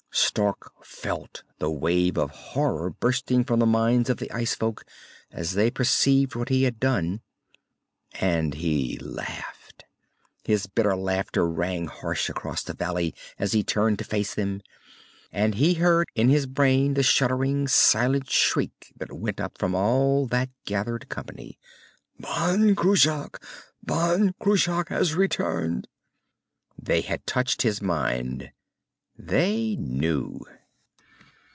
Stark felt the wave of horror bursting from the minds of the ice folk as they perceived what he had done. And he laughed. His bitter laughter rang harsh across the valley as he turned to face them, and he heard in his brain the shuddering, silent shriek that went up from all that gathered company.... "Ban Cruach! Ban Cruach has returned!" They had touched his mind. They knew.